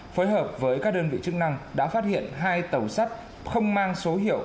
phối hợp với các đơn vị chức năng đã phát hiện hai tàu sắt không mang số hiệu